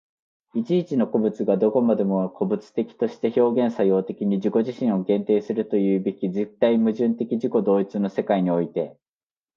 一々の個物がどこまでも個物的として表現作用的に自己自身を限定するというべき絶対矛盾的自己同一の世界において、